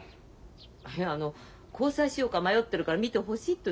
いやあの交際しようか迷ってるから見てほしいっていうんなら別だけど。